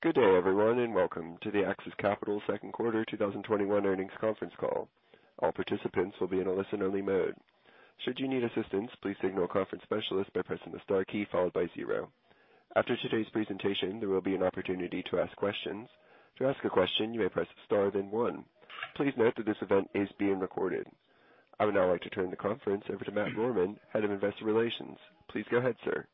Good day, everyone, and welcome to the AXIS Capital second quarter 2021 earnings conference call. All participants will be in a listen-only mode. Should you need assistance, please signal a conference specialist by pressing the star key followed by zero. After today's presentation, there will be an opportunity to ask questions. To ask a question, you may press star then one. Please note that this event is being recorded. I would now like to turn the conference over to Matt Rohrmann, Head of Investor Relations. Please go ahead, sir.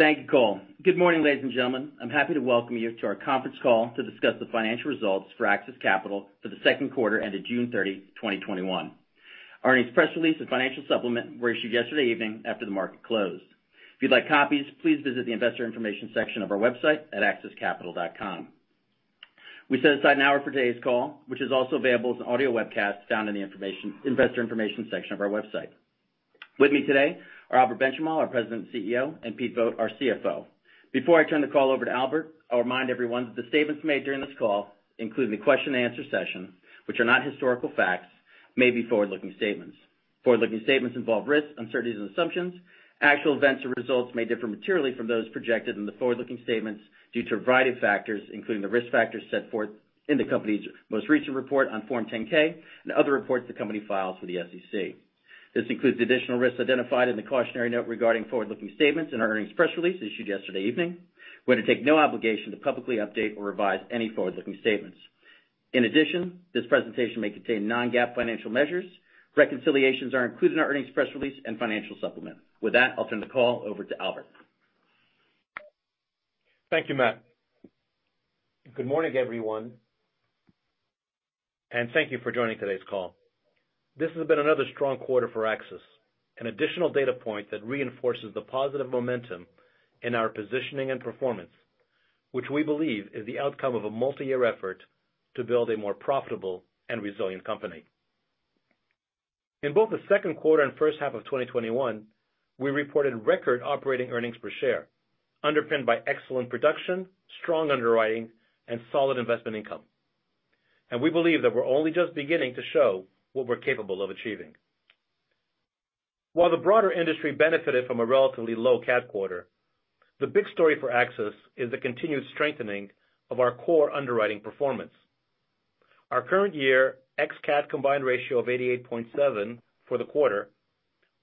Thank you, Cole. Good morning, ladies and gentlemen. I'm happy to welcome you to our conference call to discuss the financial results for AXIS Capital for the second quarter ended June 30, 2021. Our earnings press release and financial supplement were issued yesterday evening after the market closed. If you'd like copies, please visit the investor information section of our website at axiscapital.com. We set aside an hour for today's call, which is also available as an audio webcast found in the investor information section of our website. With me today are Albert Benchimol, our President and CEO, and Pete Vogt, our CFO. Before I turn the call over to Albert, I'll remind everyone that the statements made during this call, including the question and answer session, which are not historical facts, may be forward-looking statements. Forward-looking statements involve risks, uncertainties, and assumptions. Actual events or results may differ materially from those projected in the forward-looking statements due to a variety of factors, including the risk factors set forth in the company's most recent report on Form 10-K and other reports the company files with the SEC. This includes the additional risks identified in the cautionary note regarding forward-looking statements in our earnings press release issued yesterday evening. We're going to take no obligation to publicly update or revise any forward-looking statements. In addition, this presentation may contain non-GAAP financial measures. Reconciliations are included in our earnings press release and financial supplement. With that, I'll turn the call over to Albert. Thank you, Matt. Good morning, everyone, and thank you for joining today's call. This has been another strong quarter for AXIS, an additional data point that reinforces the positive momentum in our positioning and performance, which we believe is the outcome of a multi-year effort to build a more profitable and resilient company. In both the second quarter and first half of 2021, we reported record operating earnings per share, underpinned by excellent production, strong underwriting, and solid investment income. We believe that we're only just beginning to show what we're capable of achieving. While the broader industry benefited from a relatively low cat quarter, the big story for AXIS is the continued strengthening of our core underwriting performance. Our current year ex-CAT combined ratio of 88.7 for the quarter,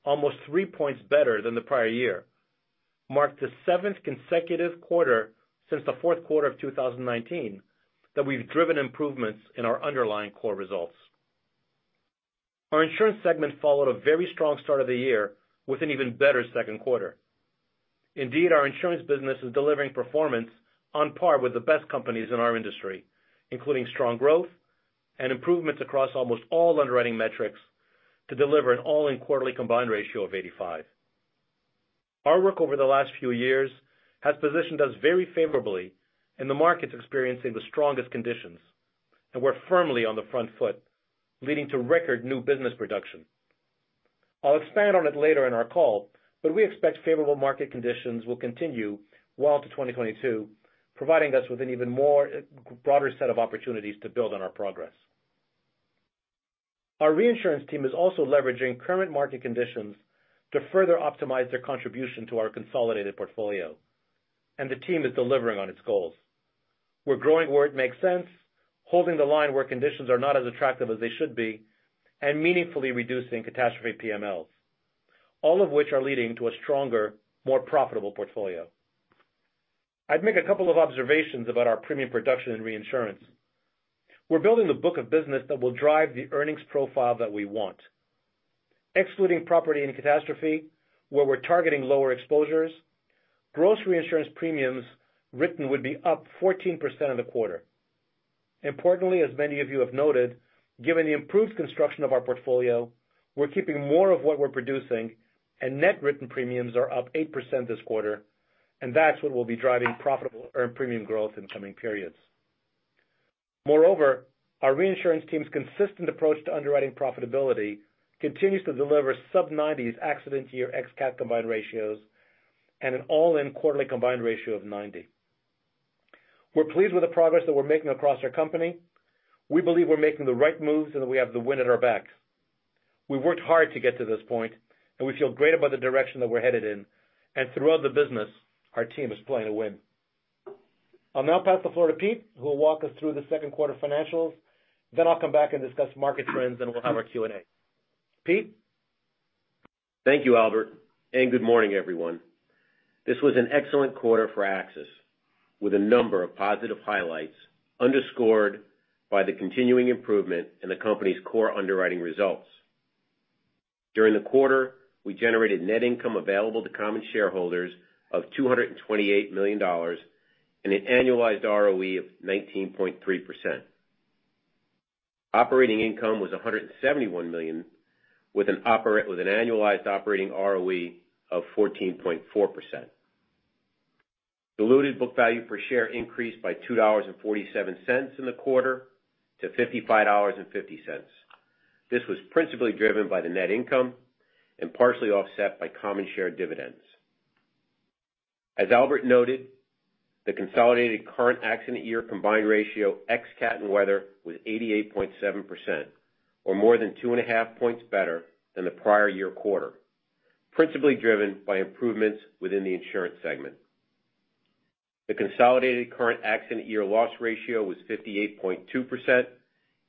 almost three points better than the prior year, marked the seventh consecutive quarter since the fourth quarter of 2019 that we've driven improvements in our underlying core results. Our insurance segment followed a very strong start of the year with an even better second quarter. Indeed, our insurance business is delivering performance on par with the best companies in our industry, including strong growth and improvements across almost all underwriting metrics to deliver an all-in quarterly combined ratio of 85. We're firmly on the front foot, leading to record new business production. I'll expand on it later in our call. We expect favorable market conditions will continue well into 2022, providing us with an even more broader set of opportunities to build on our progress. Our reinsurance team is also leveraging current market conditions to further optimize their contribution to our consolidated portfolio. The team is delivering on its goals. We're growing where it makes sense, holding the line where conditions are not as attractive as they should be, and meaningfully reducing catastrophe PMLs. All of which are leading to a stronger, more profitable portfolio. I'd make a couple of observations about our premium production and reinsurance. We're building the book of business that will drive the earnings profile that we want. Excluding property and catastrophe, where we're targeting lower exposures, gross reinsurance premiums written would be up 14% in the quarter. Importantly, as many of you have noted, given the improved construction of our portfolio, we're keeping more of what we're producing. Net written premiums are up 8% this quarter, and that's what will be driving profitable earned premium growth in coming periods. Moreover, our reinsurance team's consistent approach to underwriting profitability continues to deliver sub-90s accident year ex-CAT combined ratios and an all-in quarterly combined ratio of 90. We're pleased with the progress that we're making across our company. We believe we're making the right moves. We have the wind at our back. We worked hard to get to this point. We feel great about the direction that we're headed in. Throughout the business, our team is playing to win. I'll now pass the floor to Pete, who will walk us through the second quarter financials. I'll come back and discuss market trends. We'll have our Q&A. Pete? Thank you, Albert, and good morning, everyone. This was an excellent quarter for AXIS, with a number of positive highlights underscored by the continuing improvement in the company's core underwriting results. During the quarter, we generated net income available to common shareholders of $228 million and an annualized ROE of 19.3%. Operating income was $171 million with an annualized operating ROE of 14.4%. Diluted book value per share increased by $2.47 in the quarter to $55.50. This was principally driven by the net income and partially offset by common share dividends. As Albert noted, the consolidated current accident year combined ratio ex-CAT and weather was 88.7%, or more than two and a half points better than the prior year quarter. This was principally driven by improvements within the insurance segment. The consolidated current accident year loss ratio was 58.2%,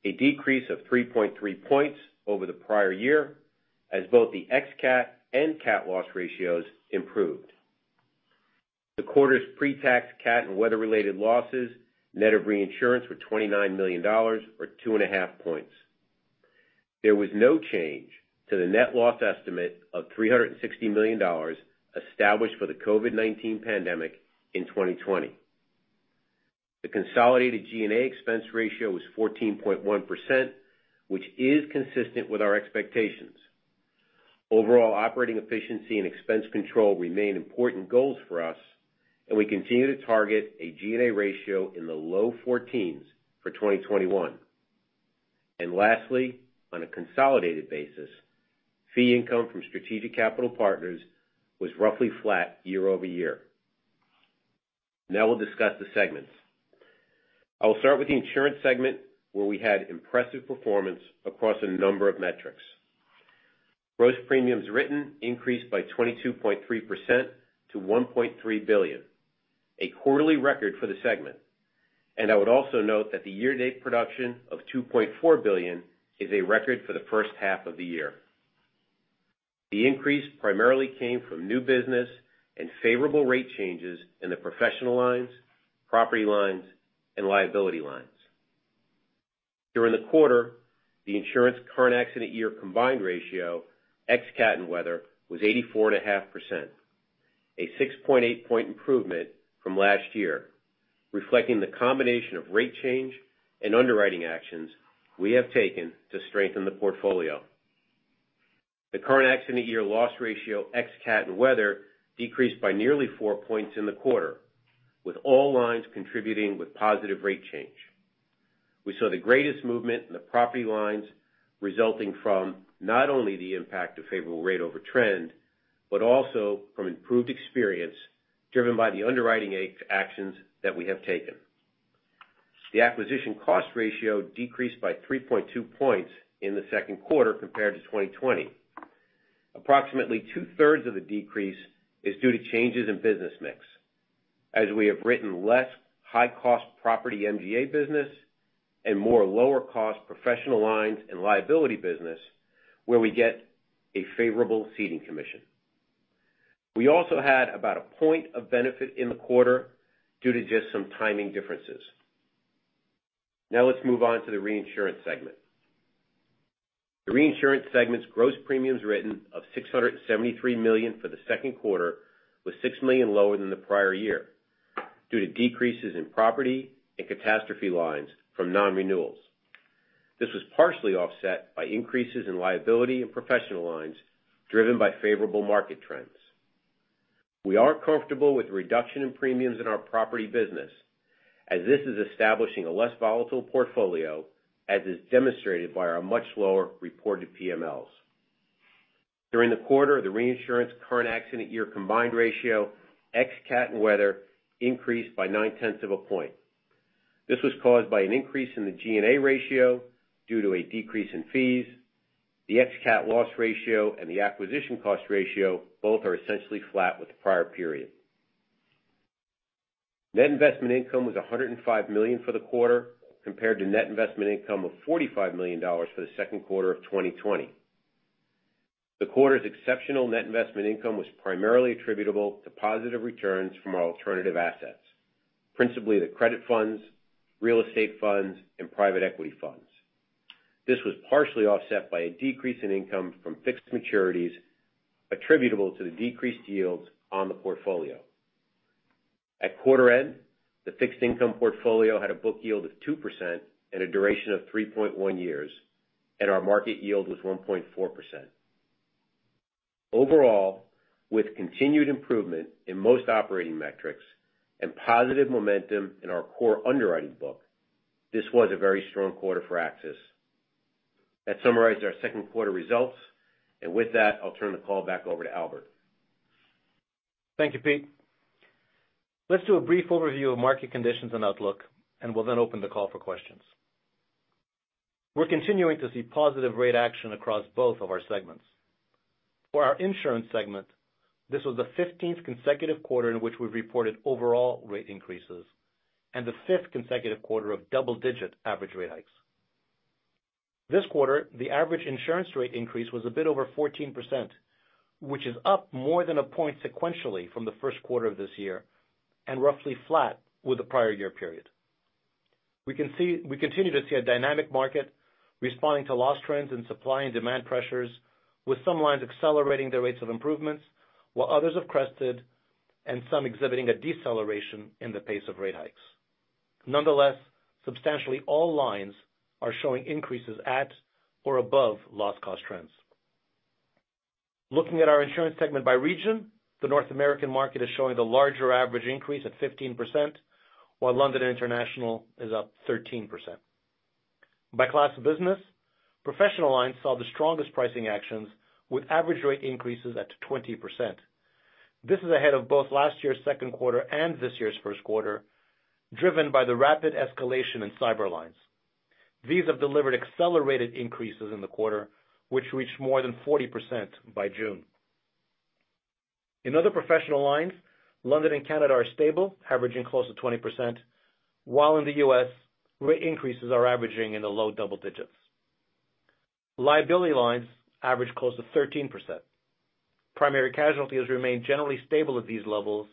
a decrease of 3.3 points over the prior year, as both the ex-CAT and CAT loss ratios improved. The quarter's pre-tax CAT and weather-related losses net of reinsurance were $29 million, or two and a half points. There was no change to the net loss estimate of $360 million established for the COVID-19 pandemic in 2020. The consolidated G&A expense ratio was 14.1%, which is consistent with our expectations. Overall operating efficiency and expense control remain important goals for us, and we continue to target a G&A ratio in the low 14s for 2021. Lastly, on a consolidated basis, fee income from strategic capital partners was roughly flat year-over-year. Now we'll discuss the segments. I will start with the insurance segment, where we had impressive performance across a number of metrics. Gross premiums written increased by 22.3% to $1.3 billion, a quarterly record for the segment. I would also note that the year-to-date production of $2.4 billion is a record for the first half of the year. The increase primarily came from new business and favorable rate changes in the professional lines, property lines, and liability lines. During the quarter, the insurance current accident year combined ratio, ex-CAT and weather, was 84.5%, a 6.8-point improvement from last year, reflecting the combination of rate change and underwriting actions we have taken to strengthen the portfolio. The current accident year loss ratio, ex-CAT and weather, decreased by nearly four points in the quarter, with all lines contributing with positive rate change. We saw the greatest movement in the property lines, resulting from not only the impact of favorable rate over trend, but also from improved experience, driven by the underwriting actions that we have taken. The acquisition cost ratio decreased by 3.2 points in the second quarter compared to 2020. Approximately two-thirds of the decrease is due to changes in business mix, as we have written less high-cost property MGA business and more lower-cost professional lines and liability business, where we get a favorable ceding commission. We also had about a point of benefit in the quarter due to just some timing differences. Now let's move on to the reinsurance segment. The reinsurance segment's gross premiums written of $673 million for the second quarter was $6 million lower than the prior year due to decreases in property and catastrophe lines from non-renewals. This was partially offset by increases in liability and professional lines driven by favorable market trends. We are comfortable with the reduction in premiums in our property business as this is establishing a less volatile portfolio, as is demonstrated by our much lower reported PMLs. During the quarter, the reinsurance current accident year combined ratio, ex-CAT and weather, increased by nine-tenths of a point. This was caused by an increase in the G&A ratio due to a decrease in fees. The ex-CAT loss ratio and the acquisition cost ratio both are essentially flat with the prior period. Net investment income was $105 million for the quarter, compared to net investment income of $45 million for the second quarter of 2020. The quarter's exceptional net investment income was primarily attributable to positive returns from our alternative assets, principally the credit funds, real estate funds, and private equity funds. This was partially offset by a decrease in income from fixed maturities attributable to the decreased yields on the portfolio. At quarter end, the fixed income portfolio had a book yield of 2% and a duration of 3.1 years, and our market yield was 1.4%. Overall, with continued improvement in most operating metrics and positive momentum in our core underwriting book, this was a very strong quarter for AXIS. That summarized our second quarter results, and with that, I'll turn the call back over to Albert. Thank you, Pete. We'll then open the call for questions. We're continuing to see positive rate action across both of our segments. For our insurance segment, this was the 15th consecutive quarter in which we've reported overall rate increases and the fifth consecutive quarter of double-digit average rate hikes. This quarter, the average insurance rate increase was a bit over 14%, which is up more than a point sequentially from the first quarter of this year and roughly flat with the prior year period. We continue to see a dynamic market responding to loss trends and supply and demand pressures, with some lines accelerating their rates of improvements while others have crested and some exhibiting a deceleration in the pace of rate hikes. Substantially all lines are showing increases at or above loss cost trends. Looking at our insurance segment by region, the North American market is showing the larger average increase at 15%, while London and International is up 13%. By class of business, professional lines saw the strongest pricing actions with average rate increases at 20%. This is ahead of both last year's second quarter and this year's first quarter, driven by the rapid escalation in cyber lines. These have delivered accelerated increases in the quarter, which reached more than 40% by June. In other professional lines, London and Canada are stable, averaging close to 20%, while in the U.S., rate increases are averaging in the low double digits. Liability lines average close to 13%. Primary casualty has remained generally stable at these levels,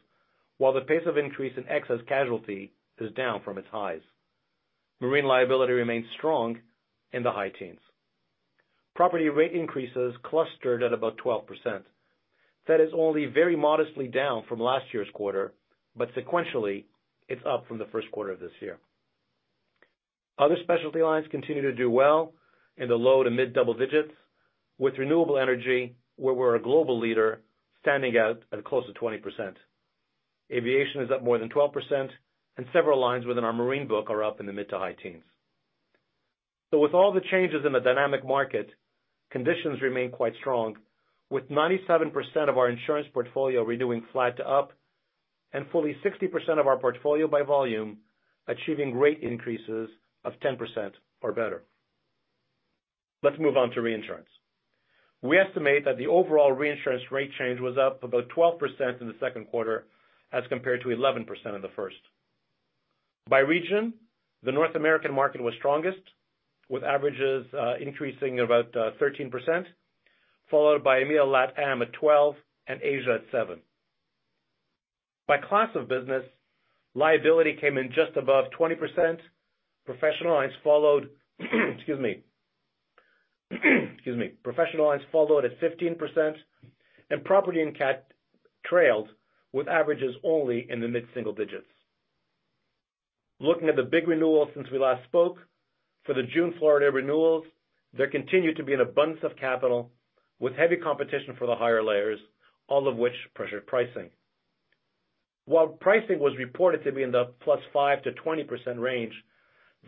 while the pace of increase in excess casualty is down from its highs. Marine liability remains strong in the high teens. Property rate increases clustered at about 12%. That is only very modestly down from last year's quarter, but sequentially, it's up from the first quarter of this year. Other specialty lines continue to do well in the low to mid-double digits with renewable energy, where we're a global leader, standing out at close to 20%. aviation is up more than 12%, and several lines within our marine book are up in the mid to high teens. With all the changes in the dynamic market, conditions remain quite strong, with 97% of our insurance portfolio renewing flat to up and fully 60% of our portfolio by volume achieving rate increases of 10% or better. Let's move on to reinsurance. We estimate that the overall reinsurance rate change was up about 12% in the second quarter as compared to 11% in the first. By region, the North American market was strongest, with averages increasing about 13%, followed by EMEA LatAm at 12% and Asia at 7%. By class of business, liability came in just above 20%. professional lines followed at 15%, and property and cat trailed with averages only in the mid-single digits. Looking at the big renewals since we last spoke, for the June Florida renewals, there continued to be an abundance of capital with heavy competition for the higher layers, all of which pressured pricing. While pricing was reported to be in the +5%-20% range,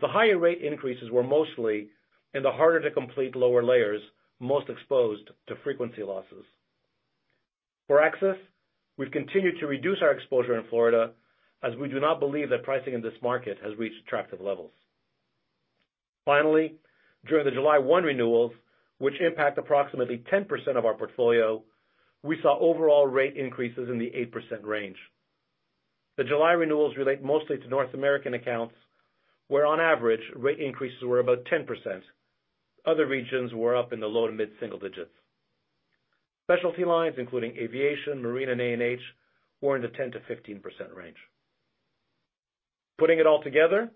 the higher rate increases were mostly in the harder to complete lower layers, most exposed to frequency losses. For AXIS, we've continued to reduce our exposure in Florida, as we do not believe that pricing in this market has reached attractive levels. Finally, during the July 1 renewals, which impact approximately 10% of our portfolio, we saw overall rate increases in the 8% range. The July renewals relate mostly to North American accounts, where on average, rate increases were about 10%. Other regions were up in the low to mid-single digits. Specialty lines, including aviation, marine, and A&H, were in the 10%-15% range. Putting it all together,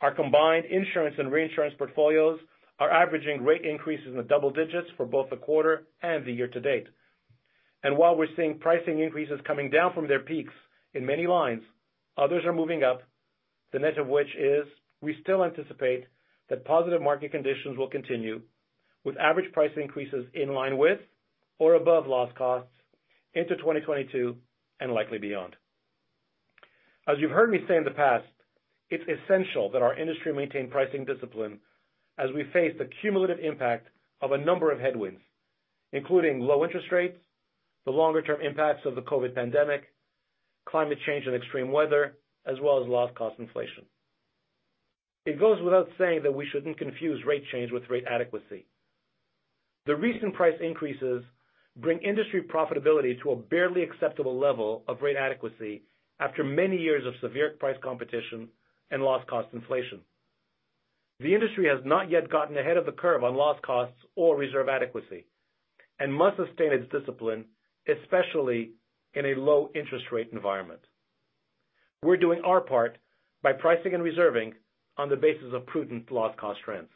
our combined insurance and reinsurance portfolios are averaging rate increases in the double digits for both the quarter and the year to date. While we're seeing pricing increases coming down from their peaks in many lines, others are moving up, the net of which is we still anticipate that positive market conditions will continue with average price increases in line with or above loss costs into 2022 and likely beyond. As you've heard me say in the past, it's essential that our industry maintain pricing discipline as we face the cumulative impact of a number of headwinds, including low interest rates, the longer-term impacts of the COVID pandemic, climate change and extreme weather, as well as loss cost inflation. It goes without saying that we shouldn't confuse rate change with rate adequacy. The recent price increases bring industry profitability to a barely acceptable level of rate adequacy after many years of severe price competition and loss cost inflation. The industry has not yet gotten ahead of the curve on loss costs or reserve adequacy and must sustain its discipline, especially in a low-interest rate environment. We're doing our part by pricing and reserving on the basis of prudent loss cost trends.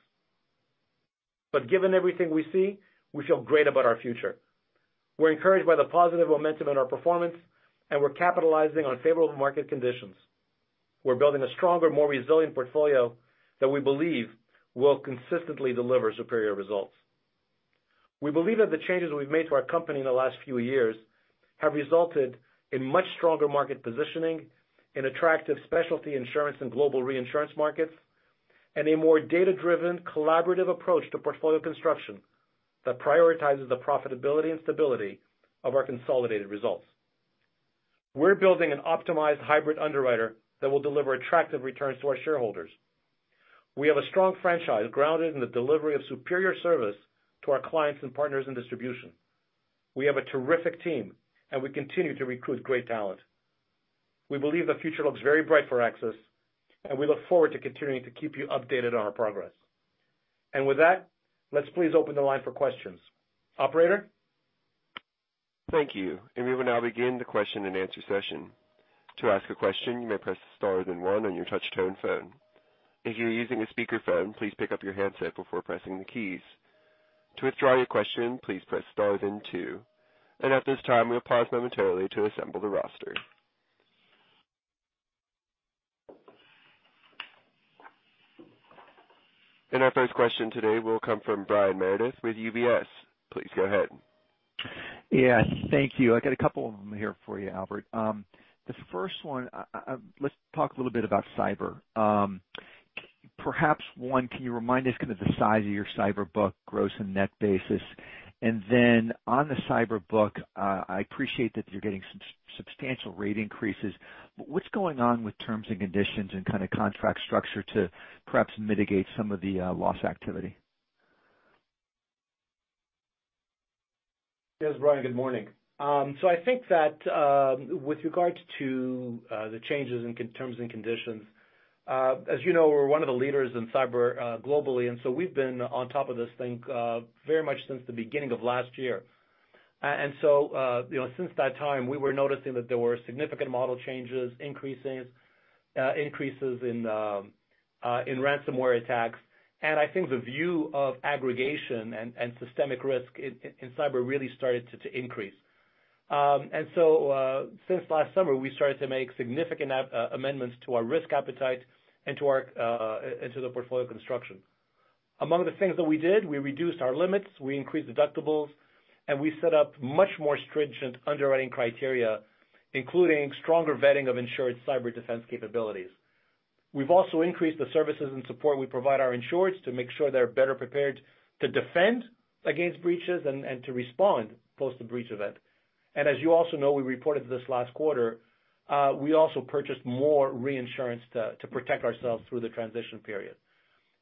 Given everything we see, we feel great about our future. We're encouraged by the positive momentum in our performance, and we're capitalizing on favorable market conditions. We're building a stronger, more resilient portfolio that we believe will consistently deliver superior results. We believe that the changes we've made to our company in the last few years have resulted in much stronger market positioning in attractive specialty insurance and global reinsurance markets and a more data-driven, collaborative approach to portfolio construction that prioritizes the profitability and stability of our consolidated results. We're building an optimized hybrid underwriter that will deliver attractive returns to our shareholders. We have a strong franchise grounded in the delivery of superior service to our clients and partners in distribution. We have a terrific team, and we continue to recruit great talent. We believe the future looks very bright for AXIS, and we look forward to continuing to keep you updated on our progress. With that, let's please open the line for questions. Operator? Thank you. We will now begin the question-and-answer session. To ask a question, you may press star then one on your touch-tone phone. If you are using a speakerphone, please pick up your handset before pressing the keys. To withdraw your question, please press star then two. At this time, we'll pause momentarily to assemble the roster. Our first question today will come from Brian Meredith with UBS. Please go ahead. Yeah. Thank you. I got a couple of them here for you, Albert. The first one, let's talk a little bit about cyber. Perhaps one, can you remind us the size of your cyber book, gross and net basis? On the cyber book, I appreciate that you're getting some substantial rate increases. What's going on with terms and conditions and kind of contract structure to perhaps mitigate some of the loss activity? Yes, Brian, good morning. I think that with regard to the changes in terms and conditions, as you know, we're one of the leaders in cyber globally, we've been on top of this thing very much since the beginning of last year. Since that time, we were noticing that there were significant model changes, increases in ransomware attacks, and I think the view of aggregation and systemic risk in cyber really started to increase. Since last summer, we started to make significant amendments to our risk appetite and to the portfolio construction. Among the things that we did, we reduced our limits, we increased deductibles, and we set up much more stringent underwriting criteria, including stronger vetting of insured cyber defense capabilities. We've also increased the services and support we provide our insureds to make sure they're better prepared to defend against breaches and to respond post a breach event. As you also know, we reported this last quarter, we also purchased more reinsurance to protect ourselves through the transition period.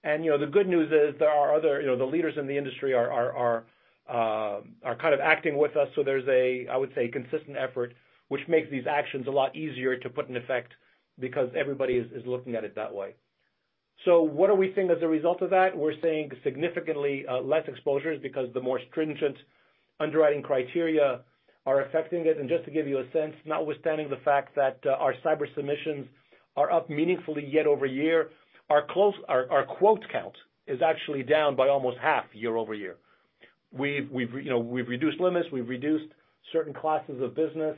The good news is the leaders in the industry are kind of acting with us, there's a, I would say, consistent effort, which makes these actions a lot easier to put in effect because everybody is looking at it that way. What are we seeing as a result of that? We're seeing significantly less exposures because the more stringent underwriting criteria are affecting it. Just to give you a sense, notwithstanding the fact that our cyber submissions are up meaningfully year-over-year, our quote count is actually down by almost half year-over-year. We've reduced limits. We've reduced certain classes of business.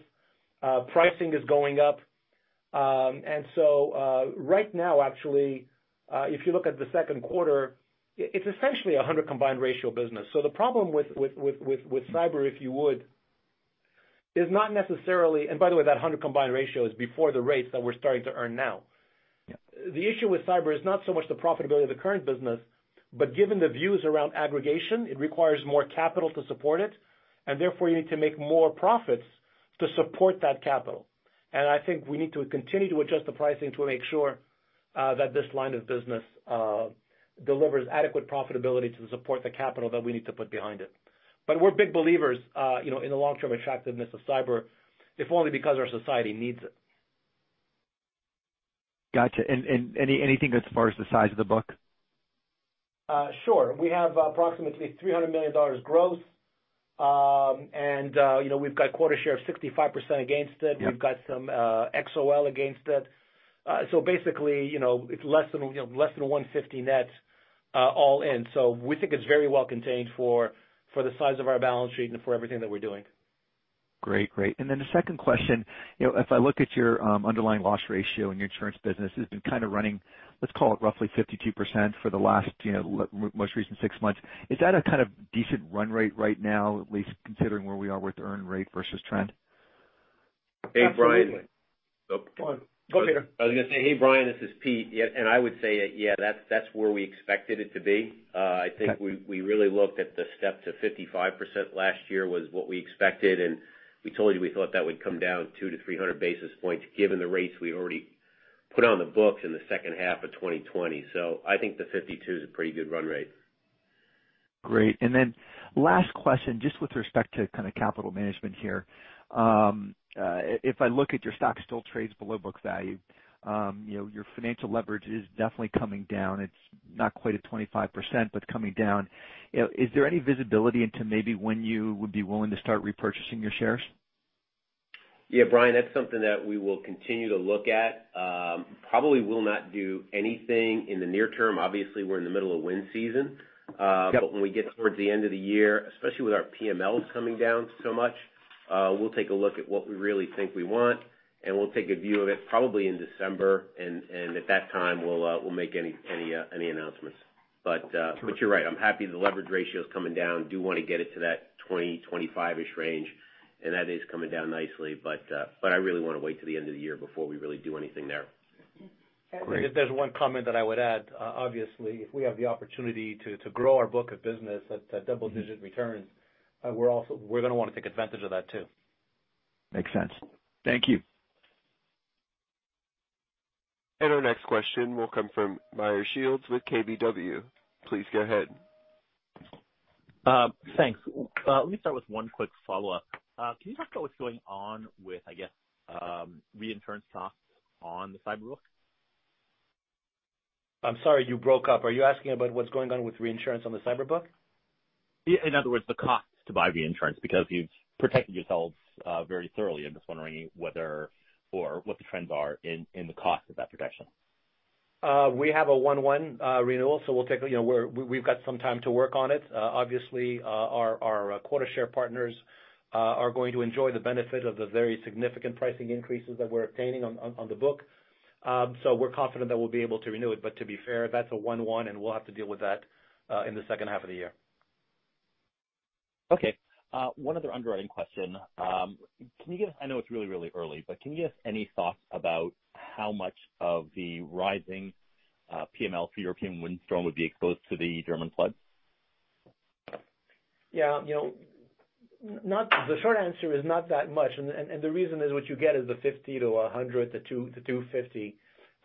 Pricing is going up. Right now actually, if you look at the second quarter, it's essentially 100 combined ratio business. The problem with cyber, if you would, is not necessarily. By the way, that 100 combined ratio is before the rates that we're starting to earn now. The issue with cyber is not so much the profitability of the current business, but given the views around aggregation, it requires more capital to support it, and therefore, you need to make more profits to support that capital. I think we need to continue to adjust the pricing to make sure that this line of business delivers adequate profitability to support the capital that we need to put behind it. We're big believers in the long-term attractiveness of cyber, if only because our society needs it. Got you. Anything as far as the size of the book? Sure. We have approximately $300 million growth. We've got quota share of 65% against it. Yep. We've got some XOL against it. Basically, it's less than $150 net all in. We think it's very well contained for the size of our balance sheet and for everything that we're doing. Great. The second question, if I look at your underlying loss ratio and your insurance business, it's been kind of running, let's call it roughly 52% for the last most recent six months. Is that a kind of decent run rate right now, at least considering where we are with earn rate versus trend? Absolutely. Hey, Brian. Oh, go on. Go, Pete. I was going to say, hey, Brian, this is Pete. Yeah, I would say that, yeah, that's where we expected it to be. I think we really looked at the step to 55% last year was what we expected. We told you we thought that would come down two to 300 basis points given the rates we already put on the books in the second half of 2020. I think the 52 is a pretty good run rate. Great. Last question, just with respect to kind of capital management here. If I look at your stock still trades below book value. Your financial leverage is definitely coming down. It's not quite at 25%, coming down. Is there any visibility into maybe when you would be willing to start repurchasing your shares? Yeah, Brian, that's something that we will continue to look at. Probably will not do anything in the near term. Obviously, we're in the middle of wind season. Yep. When we get towards the end of the year, especially with our PMLs coming down so much, we'll take a look at what we really think we want, and we'll take a view of it probably in December, and at that time, we'll make any announcements. You're right, I'm happy the leverage ratio's coming down. Do want to get it to that 20, 25-ish range, and that is coming down nicely. I really want to wait till the end of the year before we really do anything there. Great. If there's one comment that I would add, obviously, if we have the opportunity to grow our book of business at double-digit returns, we're going to want to take advantage of that, too. Makes sense. Thank you. Our next question will come from Meyer Shields with KBW. Please go ahead. Thanks. Let me start with one quick follow-up. Can you talk about what's going on with, I guess, reinsurance costs on the cyber book? I'm sorry, you broke up. Are you asking about what's going on with reinsurance on the cyber book? Yeah, in other words, the cost to buy reinsurance because you've protected yourselves very thoroughly. I'm just wondering what the trends are in the cost of that protection. We have a one-one renewal, we've got some time to work on it. Obviously, our quota share partners are going to enjoy the benefit of the very significant pricing increases that we're obtaining on the book. We're confident that we'll be able to renew it, but to be fair, that's a one-one, and we'll have to deal with that in the second half of the year. Okay. One other underwriting question. I know it's really early, but can you give any thoughts about how much of the rising PML for European Windstorm would be exposed to the German flood? Yeah. The short answer is not that much, the reason is what you get is the 50 to 100 to 250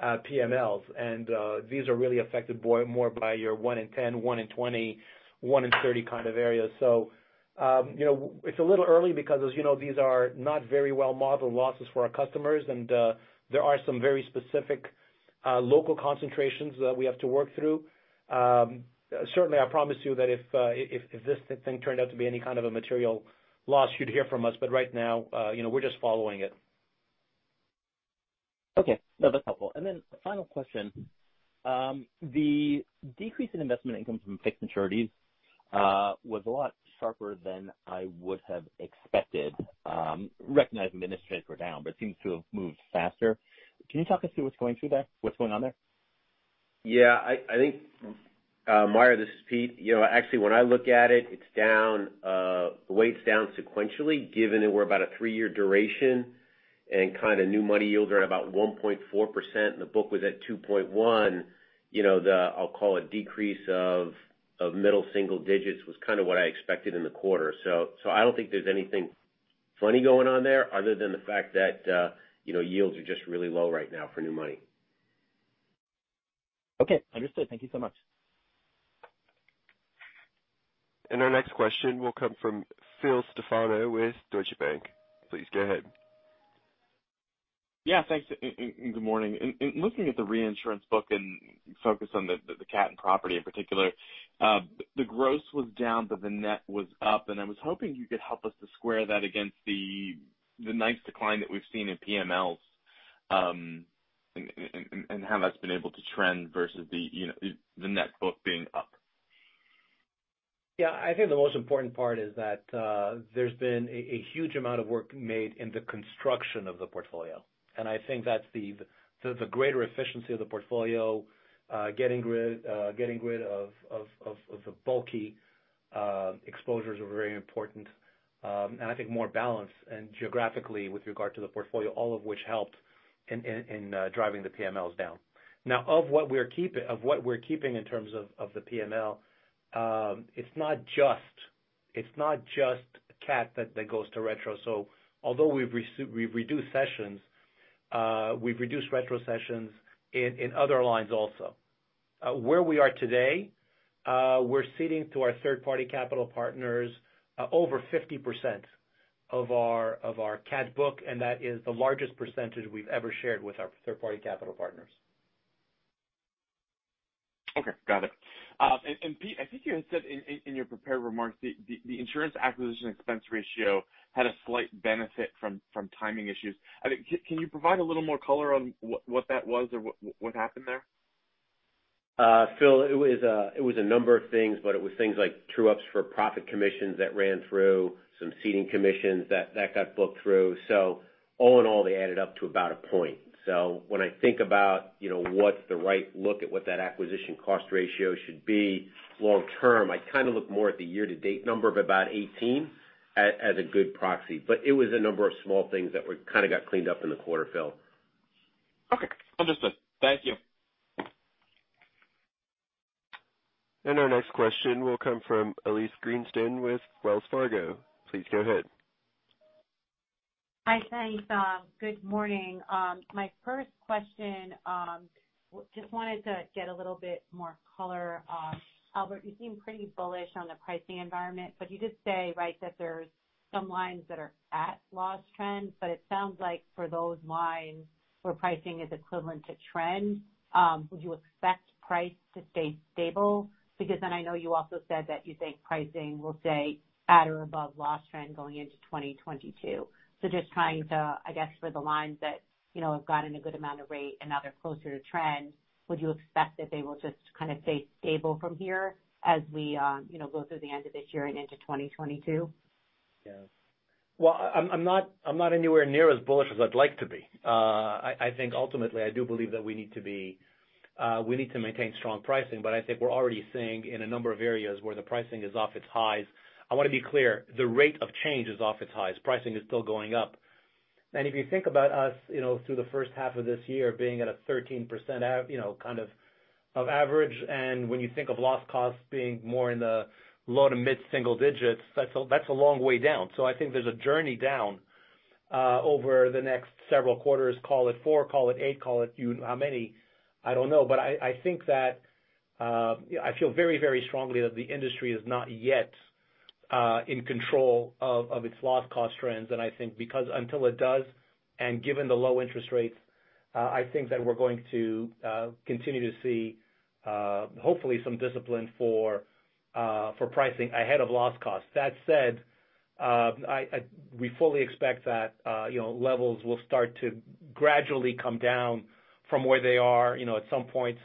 PMLs. These are really affected more by your 1 in 10, 1 in 20, 1 in 30 kind of areas. It's a little early because as you know, these are not very well-modeled losses for our customers. There are some very specific local concentrations that we have to work through. Certainly, I promise you that if this thing turned out to be any kind of a material loss, you'd hear from us. Right now, we're just following it. Okay. No, that's helpful. The final question. The decrease in investment income from fixed maturities was a lot sharper than I would have expected, recognizing administered rates were down, but seems to have moved faster. Can you talk us through what's going on there? Meyer, this is Pete. Actually, when I look at it, the weight's down sequentially, given that we're about a three-year duration and kind of new money yields are at about 1.4%, and the book was at 2.1. The, I'll call it, decrease of middle single digits was kind of what I expected in the quarter. I don't think there's anything funny going on there other than the fact that yields are just really low right now for new money. Okay. Understood. Thank you so much. Our next question will come from Phil Stefano with Deutsche Bank. Please go ahead. Yeah, thanks. Good morning. In looking at the reinsurance book and focus on the cat and property in particular, the gross was down, but the net was up, and I was hoping you could help us to square that against the nice decline that we've seen in PMLs, and how that's been able to trend versus the net book being up. Yeah. I think the most important part is that there's been a huge amount of work made in the construction of the portfolio. I think that's the greater efficiency of the portfolio, getting rid of the bulky exposures are very important. I think more balance geographically with regard to the portfolio, all of which helped in driving the PMLs down. Now, of what we're keeping in terms of the PML, it's not just cat that goes to retro. Although we've reduced sessions, we've reduced retrocessions in other lines also. Where we are today, we're ceding to our third-party capital partners over 50% of our cat book, and that is the largest percentage we've ever shared with our third-party capital partners. Okay. Got it. Pete, I think you had said in your prepared remarks, the insurance acquisition cost ratio had a slight benefit from timing issues. Can you provide a little more color on what that was or what happened there? Phil, it was a number of things. It was things like true-ups for profit commissions that ran through, some ceding commissions that got booked through. All in all, they added up to about a point. When I think about what the right look at what that acquisition cost ratio should be long term, I kind of look more at the year-to-date number of about 18 as a good proxy. It was a number of small things that kind of got cleaned up in the quarter, Phil. Okay. Understood. Thank you. Our next question will come from Elyse Greenspan with Wells Fargo. Please go ahead. Hi. Thanks. Good morning. My first question, just wanted to get a little bit more color. Albert, you seem pretty bullish on the pricing environment, you did say, right, that there's some lines that are at loss trend, it sounds like for those lines where pricing is equivalent to trend, would you expect price to stay stable? I know you also said that you think pricing will stay at or above loss trend going into 2022. Just trying to, I guess, for the lines that have gotten a good amount of rate and now they're closer to trend, would you expect that they will just kind of stay stable from here as we go through the end of this year and into 2022? I'm not anywhere near as bullish as I'd like to be. I think ultimately I do believe that we need to maintain strong pricing, I think we're already seeing in a number of areas where the pricing is off its highs. I want to be clear. The rate of change is off its highs. Pricing is still going up. If you think about us through the first half of this year being at a 13% kind of average, when you think of loss costs being more in the low to mid-single digits, that's a long way down. I think there's a journey down over the next several quarters. Call it four, call it eight, call it how many, I don't know. I feel very strongly that the industry is not yet in control of its loss cost trends, I think because until it does, given the low interest rates, I think that we're going to continue to see hopefully some discipline for pricing ahead of loss costs. That said, we fully expect that levels will start to gradually come down from where they are. At some point,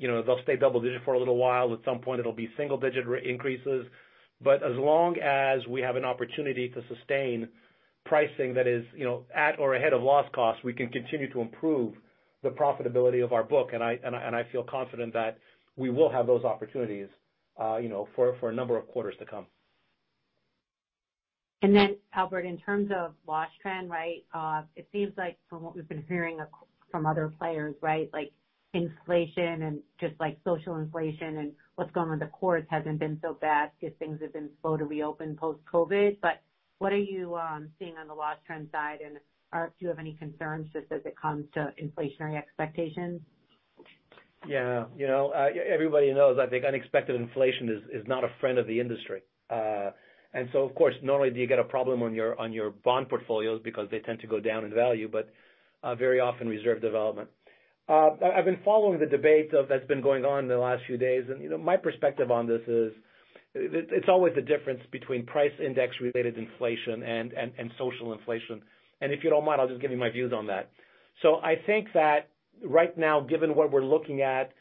they'll stay double digit for a little while. At some point, it'll be single-digit rate increases. As long as we have an opportunity to sustain pricing that is at or ahead of loss cost, we can continue to improve the profitability of our book, I feel confident that we will have those opportunities for a number of quarters to come. Albert, in terms of loss trend, it seems like from what we've been hearing from other players, like inflation and just social inflation and what's going on with the courts hasn't been so bad because things have been slow to reopen post-COVID. What are you seeing on the loss trend side? Do you have any concerns just as it comes to inflationary expectations? Everybody knows that the unexpected inflation is not a friend of the industry. Of course, not only do you get a problem on your bond portfolios because they tend to go down in value, but very often reserve development. I've been following the debate that's been going on in the last few days, my perspective on this is, it's always the difference between price index related inflation and social inflation. If you don't mind, I'll just give you my views on that. I think that right now, given what we're looking at,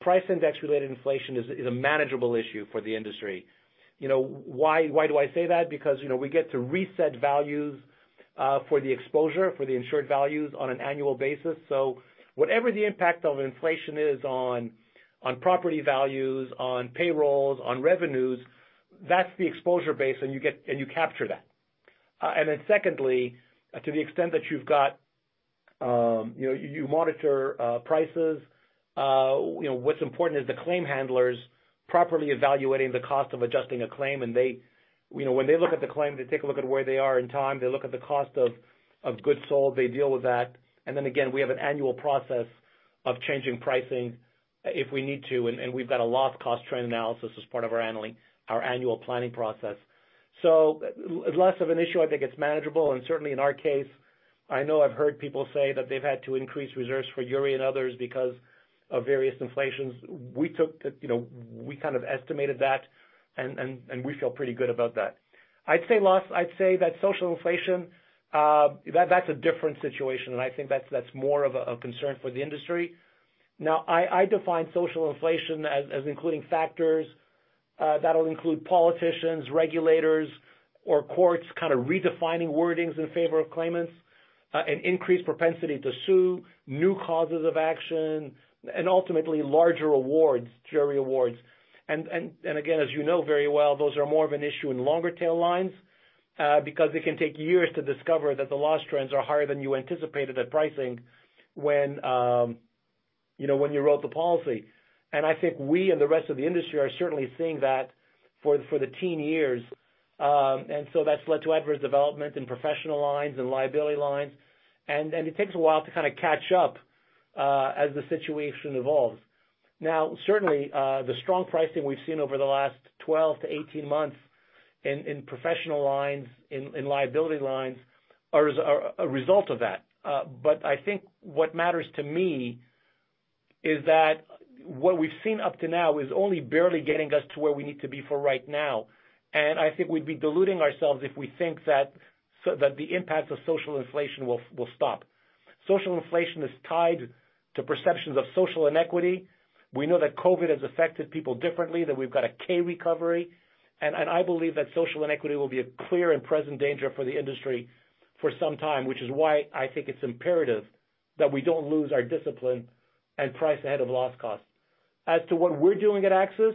price index related inflation is a manageable issue for the industry. Why do I say that? Because we get to reset values for the exposure, for the insured values on an annual basis. Whatever the impact of inflation is on property values, on payrolls, on revenues, that's the exposure base and you capture that. Secondly, to the extent that you monitor prices, what's important is the claim handlers properly evaluating the cost of adjusting a claim. When they look at the claim, they take a look at where they are in time, they look at the cost of goods sold, they deal with that. Again, we have an annual process of changing pricing if we need to, and we've got a loss cost trend analysis as part of our annual planning process. Less of an issue, I think it's manageable. Certainly, in our case, I know I've heard people say that they've had to increase reserves for Irma and others because of various inflations. We kind of estimated that, and we feel pretty good about that. I'd say that social inflation, that's a different situation, and I think that's more of a concern for the industry. Now, I define social inflation as including factors that'll include politicians, regulators, or courts kind of redefining wordings in favor of claimants, an increased propensity to sue, new causes of action, and ultimately larger awards, jury awards. Again, as you know very well, those are more of an issue in longer tail lines, because it can take years to discover that the loss trends are higher than you anticipated at pricing when you wrote the policy. I think we and the rest of the industry are certainly seeing that for the teen years. That's led to adverse development in professional lines and liability lines, and it takes a while to kind of catch up as the situation evolves. Certainly, the strong pricing we've seen over the last 12 to 18 months in professional lines, in liability lines, are a result of that. I think what matters to me is that what we've seen up to now is only barely getting us to where we need to be for right now. I think we'd be deluding ourselves if we think that the impacts of social inflation will stop. Social inflation is tied to perceptions of social inequity. We know that COVID has affected people differently, that we've got a K-shaped recovery, I believe that social inequity will be a clear and present danger for the industry for some time, which is why I think it's imperative that we don't lose our discipline and price ahead of loss cost. As to what we're doing at AXIS,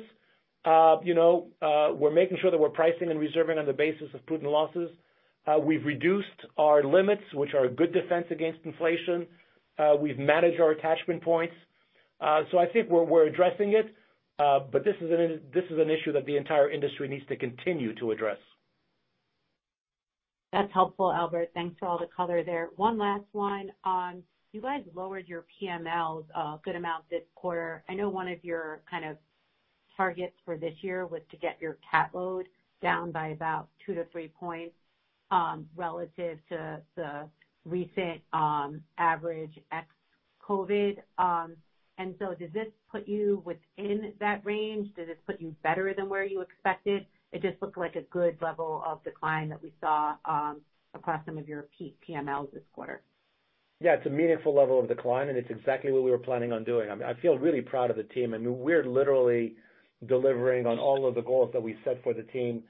we're making sure that we're pricing and reserving on the basis of prudent losses. We've reduced our limits, which are a good defense against inflation. We've managed our attachment points. I think we're addressing it. This is an issue that the entire industry needs to continue to address. That's helpful, Albert. Thanks for all the color there. One last one on, you guys lowered your PMLs a good amount this quarter. I know one of your kind of targets for this year was to get your cat load down by about two to three points relative to the recent average ex-COVID. Does this put you within that range? Does this put you better than where you expected? It just looked like a good level of decline that we saw across some of your PMLs this quarter. It's a meaningful level of decline, it's exactly what we were planning on doing. I feel really proud of the team, we're literally delivering on all of the goals that we set for the team.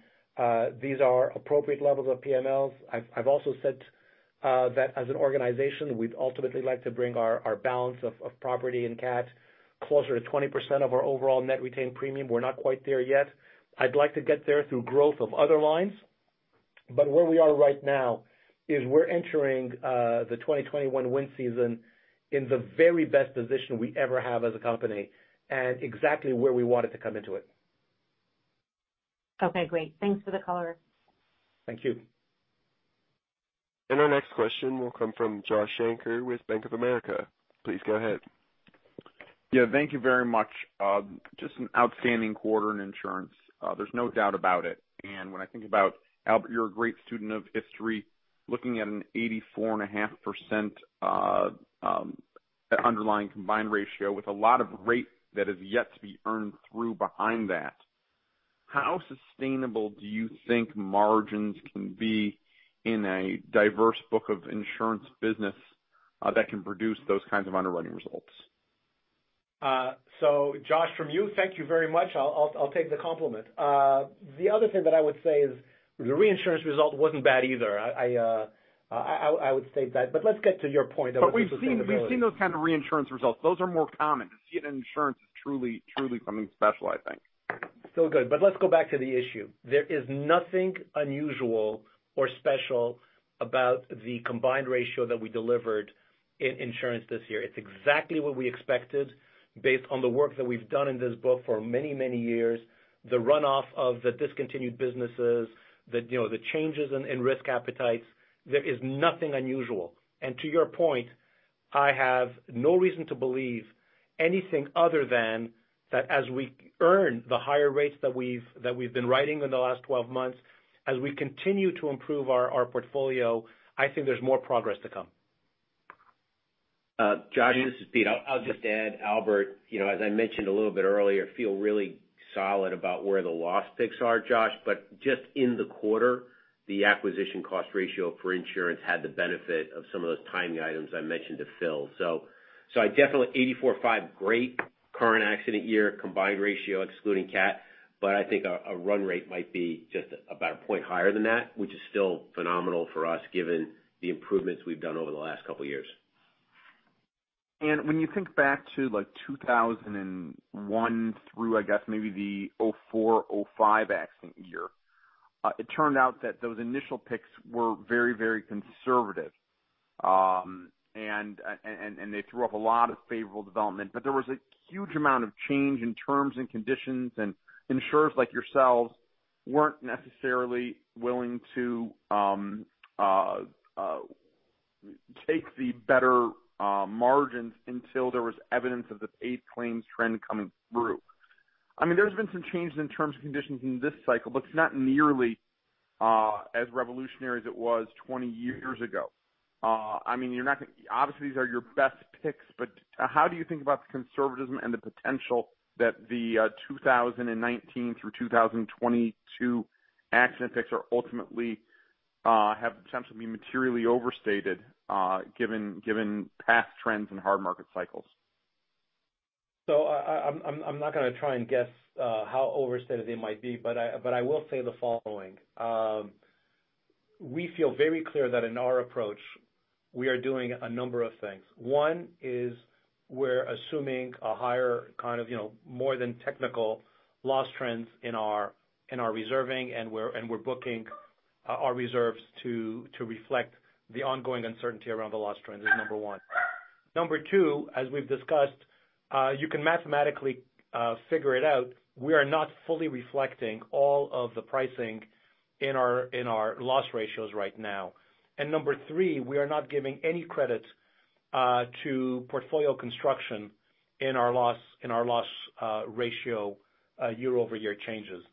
These are appropriate levels of PMLs. I've also said that as an organization, we'd ultimately like to bring our balance of property and cat closer to 20% of our overall net retained premium. We're not quite there yet. I'd like to get there through growth of other lines. Where we are right now is we're entering the 2021 wind season in the very best position we ever have as a company, exactly where we wanted to come into it. Okay, great. Thanks for the color. Thank you. Our next question will come from Josh Shanker with Bank of America. Please go ahead. Yeah, thank you very much. Just an outstanding quarter in insurance, there's no doubt about it. When I think about Albert, you're a great student of history. Looking at an 84.5% underlying combined ratio with a lot of rate that is yet to be earned through behind that, how sustainable do you think margins can be in a diverse book of insurance business that can produce those kinds of underwriting ratios? Josh, from you, thank you very much. I'll take the compliment. The other thing that I would say is the reinsurance result wasn't bad either. I would state that, let's get to your point of the sustainability. We've seen those kind of reinsurance results. Those are more common. To see it in insurance is truly something special, I think. Good. Let's go back to the issue. There is nothing unusual or special about the combined ratio that we delivered in insurance this year. It's exactly what we expected based on the work that we've done in this book for many years, the runoff of the discontinued businesses, the changes in risk appetites. There is nothing unusual. To your point, I have no reason to believe anything other than that as we earn the higher rates that we've been writing in the last 12 months, as we continue to improve our portfolio, I think there's more progress to come. Josh, this is Pete. I'll just add, Albert, as I mentioned a little bit earlier, feel really solid about where the loss picks are, Josh. Just in the quarter, the acquisition cost ratio for insurance had the benefit of some of those timing items I mentioned to Phil. Definitely 84 or 5, great current accident year combined ratio excluding CAT, but I think a run rate might be just about a point higher than that, which is still phenomenal for us given the improvements we've done over the last couple of years. When you think back to 2001 through, I guess maybe the 2004, 2005 accident year, it turned out that those initial picks were very conservative. They threw up a lot of favorable development, but there was a huge amount of change in terms and conditions, and insurers like yourselves weren't necessarily willing to take the better margins until there was evidence of this paid claims trend coming through. There's been some changes in terms and conditions in this cycle, but it's not nearly as revolutionary as it was 20 years ago. Obviously, these are your best picks, but how do you think about the conservatism and the potential that the 2019 through 2022 accident picks ultimately have the potential to be materially overstated given past trends in hard market cycles? I'm not going to try and guess how overstated they might be, but I will say the following. We feel very clear that in our approach, we are doing a number of things. One is we're assuming a higher more than technical loss trends in our reserving, and we're booking our reserves to reflect the ongoing uncertainty around the loss trends, is number 1. Number 2, as we've discussed, you can mathematically figure it out, we are not fully reflecting all of the pricing in our loss ratios right now. Number 3, we are not giving any credit to portfolio construction in our loss ratio year-over-year changes.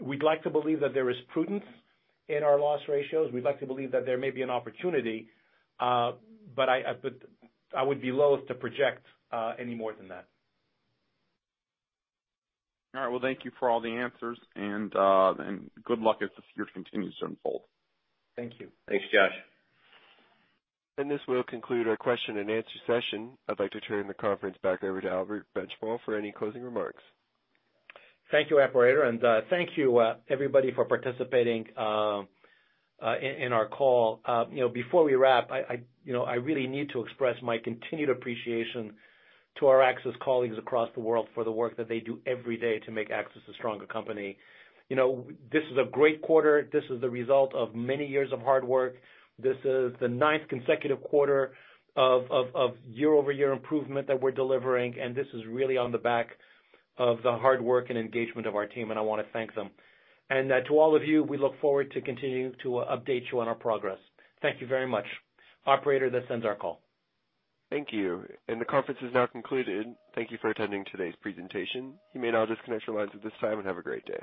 We'd like to believe that there is prudence in our loss ratios. We'd like to believe that there may be an opportunity. I would be loath to project any more than that. All right. Well, thank you for all the answers, and good luck as this year continues to unfold. Thank you. Thanks, Josh. This will conclude our question and answer session. I'd like to turn the conference back over to Albert Benchimol for any closing remarks. Thank you, operator. Thank you everybody for participating in our call. Before we wrap, I really need to express my continued appreciation to our AXIS colleagues across the world for the work that they do every day to make AXIS a stronger company. This is a great quarter. This is the result of many years of hard work. This is the ninth consecutive quarter of year-over-year improvement that we're delivering, this is really on the back of the hard work and engagement of our team, I want to thank them. To all of you, we look forward to continuing to update you on our progress. Thank you very much. Operator, this ends our call. Thank you. The conference is now concluded. Thank you for attending today's presentation. You may now disconnect your lines at this time, have a great day.